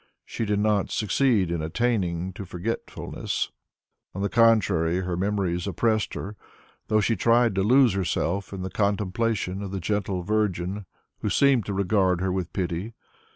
She did not succeed in attaining to forgetfulness; on the contrary her memories oppressed her, though she tried to lose herself in the contemplation of the gentle Virgin who seemed to regard her with pity.